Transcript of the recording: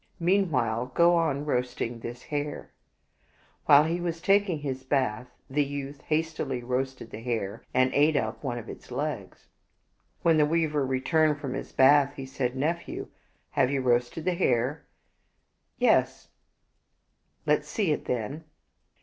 Meanwhile, go on roasting this hare." While he was taking his bath, the youth hastily roasted the hare and ate up one of its legs. When the weaver returned from his bath, he said, " Nephew, have you roasted the hare? " "Yesl" " Let's see it, then."